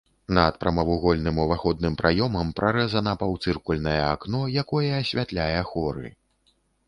Над прамавугольным уваходным праёмам прарэзана паўцыркульнае акно, якое асвятляе хоры.